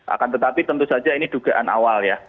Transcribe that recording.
akan tetapi tentu saja ini dugaan awal ya